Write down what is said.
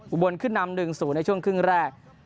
อุบวนขึ้นนำหนึ่งศูนย์ในช่วงครึ่งแรก